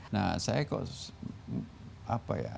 nah saya kok apa ya